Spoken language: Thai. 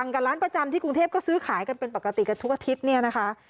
กับร้านประจำที่กรุงเทพก็ซื้อขายกันเป็นปกติกันทุกอาทิตย์เนี่ยนะคะ